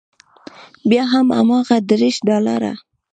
بیا هم هماغه دېرش ډالره.